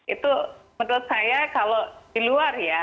itu menurut saya kalau di luar ya